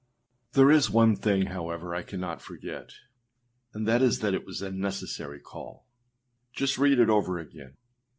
â 7. There is one thing, however, I cannot forget, and that is that it was a necessary call. Just read it over again.